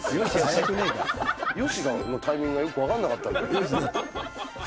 よしのタイミングがよく分からなかった。